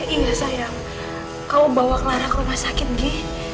iya sayang kamu bawa clara ke rumah sakit gi